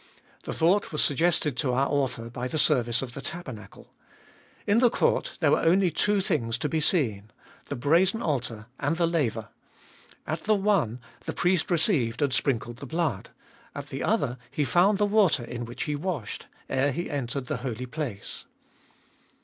The thought was suggested to our author by the service of the tabernacle. In the court there were only two things to be seen — the brazen altar and the laver. At the one, the priest received and sprinkled the blood ; at the other, he found the water in which he washed, ere he entered the Holy Place.